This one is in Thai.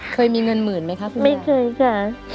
เคยมีเงินหมื่นไหมคะคุณยายไม่เคยค่ะ